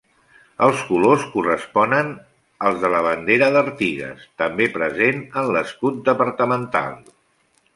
Els colors corresponen als de la bandera d'Artigas, també present en l'escut departamental.